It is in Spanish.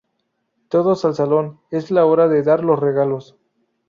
Todos al salón. Es la hora de dar los regalos.